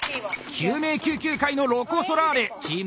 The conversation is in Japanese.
救命救急界のロコ・ソラーレチーム